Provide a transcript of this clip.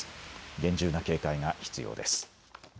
厳重な警戒が必要です。